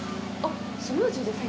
スムージーですか？